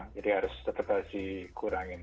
harus tetap harus dikurangin